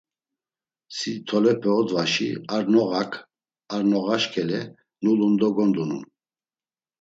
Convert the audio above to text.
Si tolepe odvaşi ar noğak ar noğaş k̆ele nulun do gondunun.